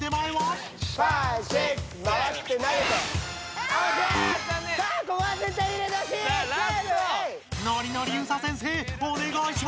おねがいします！